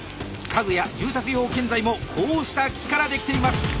家具や住宅用建材もこうした木から出来ています。